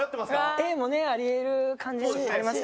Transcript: Ａもねあり得る感じありますよね。